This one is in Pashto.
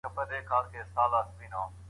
له ښکېلاک سره مبارزه وکړئ.